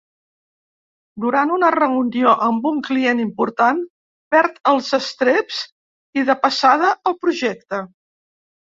Durant una reunió amb un client important, perd els estreps i, de passada, el projecte.